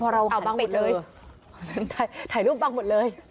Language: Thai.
พอเราหันไปเจอเอ้าบ้างหมดเลยถ่ายถ่ายรูปบ้างหมดเลย